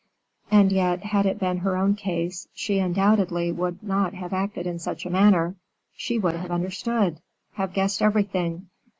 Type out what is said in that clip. And yet, had it been her own case, she undoubtedly would not have acted in such a manner; she would have understood have guessed everything.